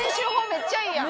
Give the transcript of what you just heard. めっちゃいいやん！